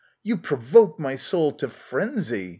You provoke my soul to frenzy